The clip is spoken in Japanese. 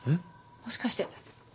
もしかして。